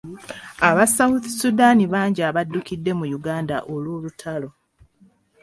Aba South Sudan bangi abaddukidde mu Uganda olw'olutalo.